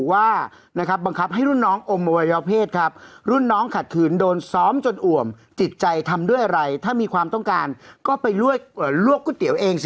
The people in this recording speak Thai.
เวลาฉันขับตัวเปลี่ยนหัวเป็นกับผู้กับญาติ